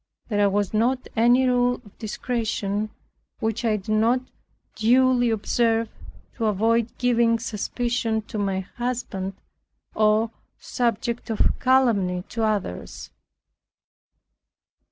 There was not any rule of discretion which I did not duly observe, to avoid giving suspicion to my husband, or subject of calumny to others.